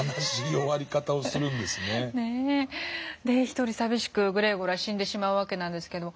独り寂しくグレーゴルは死んでしまうわけなんですけど。